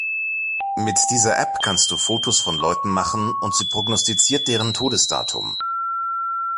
Mit dieser App kannst du Fotos von Leuten machen und sie prognostiziert deren Todesdatum.